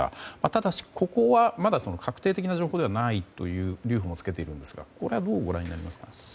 ただし、ここはまだ確定的な情報ではないとも言っているんですがこれはどうご覧になりますか？